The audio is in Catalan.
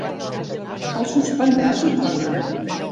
El suspendrà, suposo.